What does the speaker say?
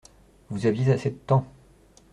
Vous aviez assez de temps.